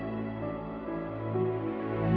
terima kasih ya